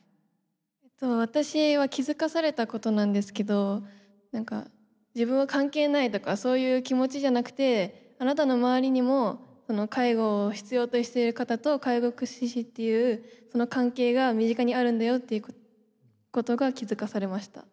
私は気付かされたことなんですけど何か自分は関係ないとかそういう気持ちじゃなくてあなたのまわりにも介護を必要としている方と介護福祉士っていうその関係が身近にあるんだよっていうことが気付かされました。